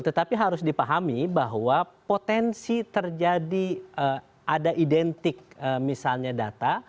tetapi harus dipahami bahwa potensi terjadi ada identik misalnya data